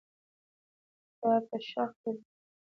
دا په شرق کې دي.